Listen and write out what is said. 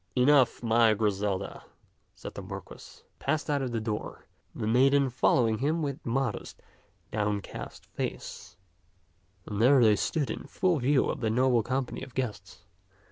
" Enough, my Griselda," said the Marquis. He passed out of the door, the maiden following him with modest, downcast face, and there they stood in full view of the noble company of guests.